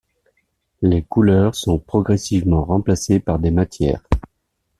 Les couleurs sont progressivement remplacées par des matières.